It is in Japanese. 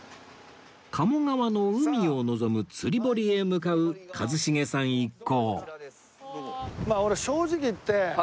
鴨川の海を望む釣り堀へ向かう一茂さん一行